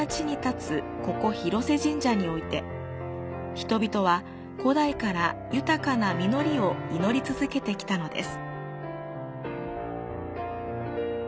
人々は古代から豊かな実りを祈り続けてきたのです。